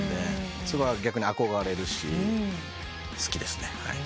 逆に憧れるし好きですね。